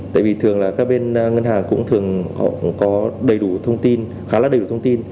tại vì thường là các bên ngân hàng cũng thường có đầy đủ thông tin khá là đầy đủ thông tin